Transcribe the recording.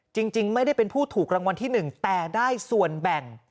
จริงไม่ได้เป็นผู้ถูกรางวัลที่๑แต่ได้ส่วนแบ่ง